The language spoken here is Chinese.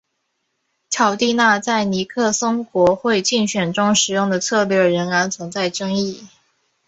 乔蒂纳在尼克松国会竞选中使用的策略仍然存在争议。